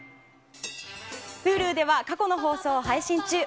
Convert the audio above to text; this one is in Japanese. Ｈｕｌｕでは過去の放送を配信中。